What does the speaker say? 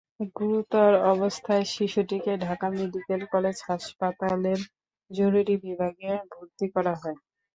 গুরুতর অবস্থায় শিশুটিকে ঢাকা মেডিকেল কলেজ হাসপাতালের জরুরি বিভাগে ভর্তি করা হয়।